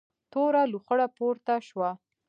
توره لوخړه پورته شوه.